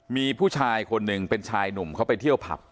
มีผู้ชายคนหนึ่งเป็นชายหนุ่มเขาไปเที่ยวผับ